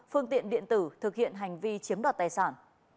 phương tiện điện tử thực hiện hành vi chiếm đoạt tài sản